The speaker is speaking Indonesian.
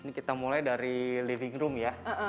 ini kita mulai dari living room ya